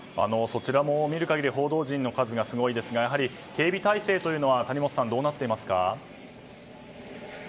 そちらも見る限り報道陣の数がすごいですが警備態勢というのは谷元さん、どうなっていますか？